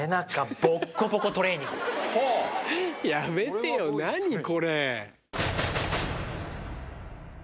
やめてよ何これ。